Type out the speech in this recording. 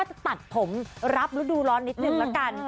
จะตัดผมรับฤดูร้อนนิดนึงละกัน